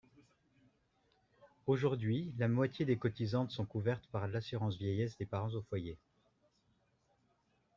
Aujourd’hui, la moitié des cotisantes sont couvertes par l’assurance vieillesse des parents au foyer.